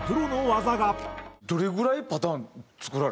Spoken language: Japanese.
どれぐらいパターン作られたんですか？